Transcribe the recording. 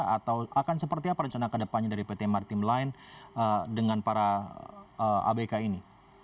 atau akan seperti apa rencana ke depannya dari pt martim line dengan para abk ini